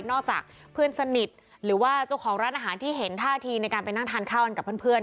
จากเพื่อนสนิทหรือว่าเจ้าของร้านอาหารที่เห็นท่าทีในการไปนั่งทานข้าวกันกับเพื่อน